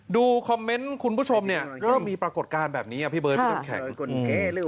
ดูคอมเมนต์คุณผู้ชมเนี่ยเริ่มมีปรากฏการณ์แบบนี้พี่เบิร์ดพี่น้ำแข็ง